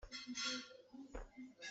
Kan nu ei nih a kan dawt tuk.